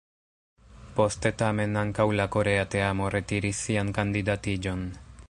Poste tamen ankaŭ la korea teamo retiris sian kandidatiĝon.